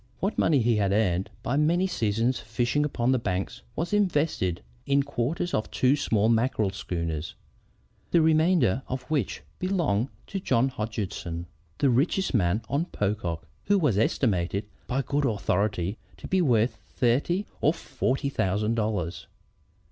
What money he had earned by many seasons' fishing upon the banks was invested in quarters of two small mackerel schooners, the remainder of which belonged to John Hodgeson, the richest man on Pocock, who was estimated by good authorities to be worth thirteen or fourteen thousand dollars.